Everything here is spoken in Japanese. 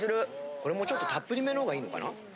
これもうちょっとたっぷりめの方がいいのかな？